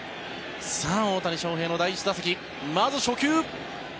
さあ、大谷翔平の第１打席まず初球。